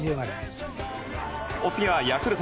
お次はヤクルト。